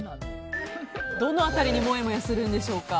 どの辺りにもやもやするんでしょうか？